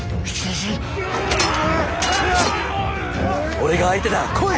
俺が相手だ来い！